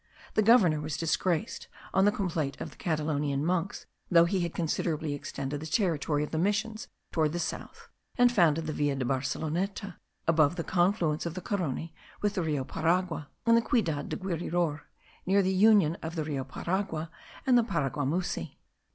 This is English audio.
The governor was disgraced on the complaint of the Catalonian monks though he had considerably extended the territory of the missions toward the south, and founded the Villa de Barceloneta, above the confluence of the Carony with the Rio Paragua, and the Ciudad de Guirior, near the union of the Rio Paragua and the Paraguamusi.